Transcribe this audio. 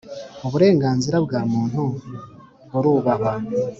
Uburenganzira bwa Muntu burubahwa.